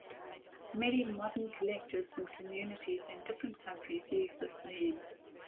Many modern collectives and communities in different countries use this name.